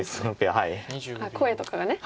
あっ声とかがね。